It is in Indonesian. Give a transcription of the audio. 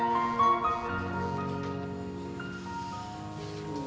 kiab x ya udah lah bikini sagit dari newspapers dong